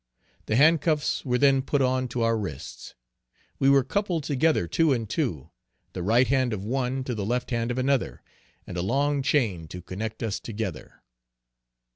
The hand cuffs were then put on to our wrists. We were coupled together two and two the right hand of one to the left hand of another, and a long chain to connect us together.